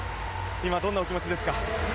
今、どんなお気持ちですか？